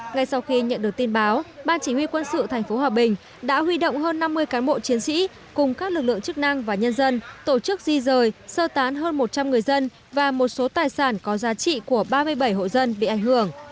ngay sau khi nhận được tin báo ban chỉ huy quân sự thành phố hòa bình đã huy động hơn năm mươi cán bộ chiến sĩ cùng các lực lượng chức năng và nhân dân tổ chức di rời sơ tán hơn một trăm linh người dân và một số tài sản có giá trị của ba mươi bảy hộ dân bị ảnh hưởng